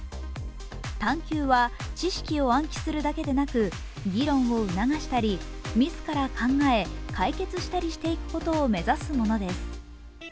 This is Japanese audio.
探究は知識を暗記するだけでなく、議論を促したり自ら考え解決したりしていくことを目指すものです。